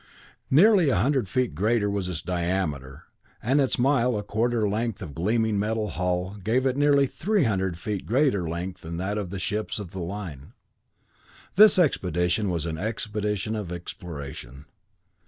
Nearly a hundred feet greater was its diameter, and its mile and a quarter length of gleaming metal hull gave it nearly three hundred feet greater length than that of the ships of the line. This expedition was an expedition of exploration.